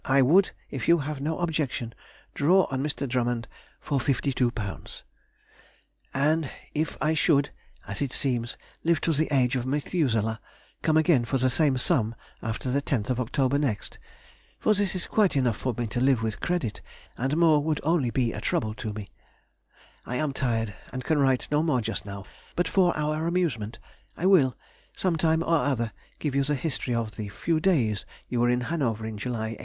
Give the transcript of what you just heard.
I would, if you have no objection, draw on Mr. Drummond for £52, and if I should (as it seems) live to the age of Methuselah, come again for the same sum after the 10th of October next. For this is quite enough for me to live with credit, and more would only be a trouble to me. I am tired, and can write no more just now, but for our amusement I will, some time or other, give you the history of the few days you were in Hanover, in July, 1838.